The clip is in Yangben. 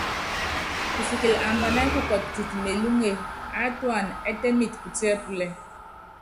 Kisikili ambanɛ́ kukɔtit mélúŋe, aátúana ɛ́tɛ́miti putiɛ́púlɛ.